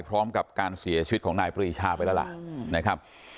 พร้อมกับการเสียชีวิตของนายปรีชาไปแล้วล่ะนะครับ